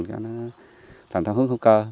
cho nó thành theo hướng hữu cơ